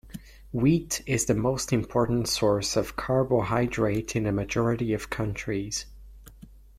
Wheat is the most important source of carbohydrate in a majority of countries.